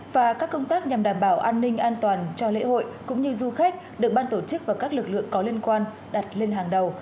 và các công tác nhằm đảm bảo an ninh an toàn cho lễ hội cũng như du khách được ban tổ chức và các lực lượng có liên quan đặt lên hàng đầu